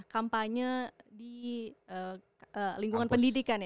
kampanye di lingkungan pendidikan ya